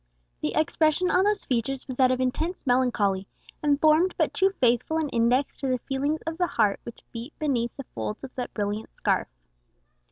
The expression on those features was that of intense melancholy, and formed but too faithful an index to the feelings of the heart which beat beneath the folds of that brilliant scarf.